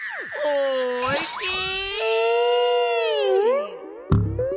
おいしい！